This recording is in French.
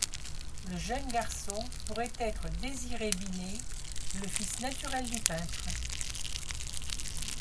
Le jeune garçon pourrait être Désiré Binet, le fils naturel du peintre.